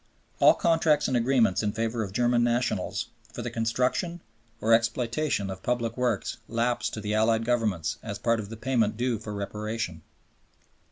" All contracts and agreements in favor of German nationals for the construction or exploitation of public works lapse to the Allied Governments as part of the payment due for Reparation.